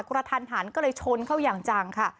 กระทันหันก็เลยชนเข้าอย่างจังค่ะ